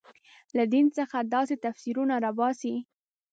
له دین څخه داسې تفسیرونه راباسي.